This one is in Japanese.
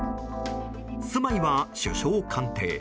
住まいは首相官邸。